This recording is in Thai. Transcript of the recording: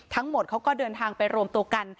ทั้งหมดเขาก็เดินทางไปรวมตัวกัน